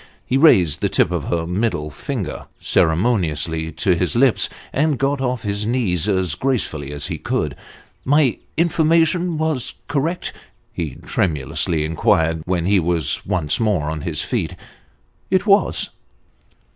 He raised the tip of her middle finger ceremoniously to his lips, and got off his knees, as gracefully as he could. " My information was correct ?" he tremulously inquired, when he was once more on his feet. " It was."